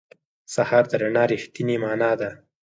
سهار د رڼا رښتینې معنا ده.